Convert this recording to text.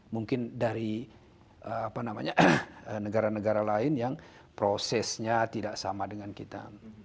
mungkin dari negara negara lain yang prosesnya tidak sama dengan kita